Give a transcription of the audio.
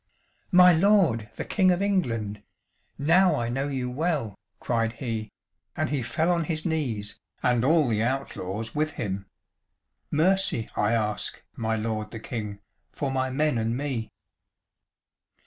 "My lord the King of England, now I know you well," cried he, and he fell on his knees and all the outlaws with him. "Mercy I ask, my lord the King, for my men and me."